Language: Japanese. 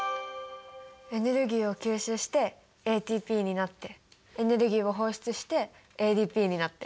エネルギーを吸収してＡＴＰになってエネルギーを放出してＡＤＰになって。